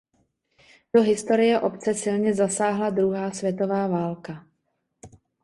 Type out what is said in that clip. Do historie obce silně zasáhla druhá světová válka.